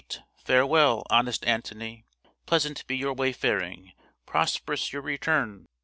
Farewell, honest Antony! pleasant be your wayfaring, prosperous your return!